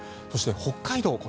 そして北海道